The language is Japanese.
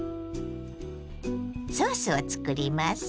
ソースを作ります。